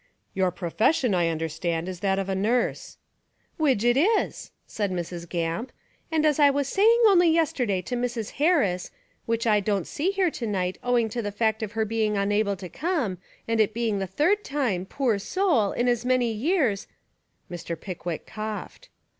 "Your profession, I understand, is that of a nurse," "Widge it is," said Mrs. Gamp, "and as I was saying only yesterday to Mrs. Harris, which I don't see here to night owing to the fact of her being unable to come, and it being the third time, poor soul, in as many years " Mr. Pickwick coughed.